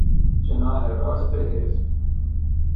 جناح راست حزب